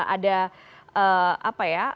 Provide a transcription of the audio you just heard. ada apa ya